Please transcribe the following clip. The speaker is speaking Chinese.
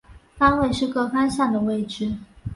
方位是各方向的位置。